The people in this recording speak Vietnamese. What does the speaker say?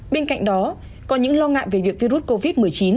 bên cạnh đó có những lo ngại về việc virus covid một mươi chín